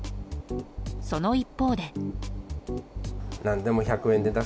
その一方で。